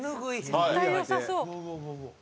絶対良さそう。